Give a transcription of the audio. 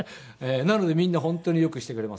なのでみんな本当によくしてくれますね。